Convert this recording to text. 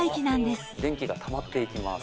電気がたまっていきます。